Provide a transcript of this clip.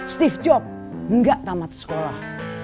steve jobs gak tamat sekolah